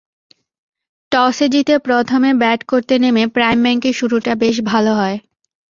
টসে জিতে প্রথমে ব্যাট করতে নেমে প্রাইম ব্যাংকের শুরুটা বেশ ভালো হয়।